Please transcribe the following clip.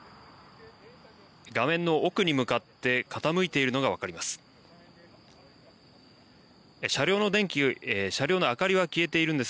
画面の奥に向かって傾いているのが分かります。